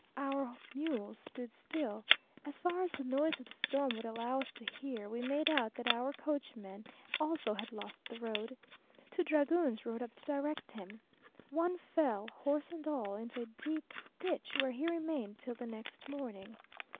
Our mules stood still. As far as the noise of the storm would allow us to hear, we made out that our coachman also had lost the road. Two dragoons rode up to direct him. One fell, horse and all, into a deep ditch, where he remained till the next morning.